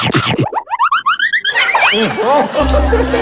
เราใช้เยอะหน่อย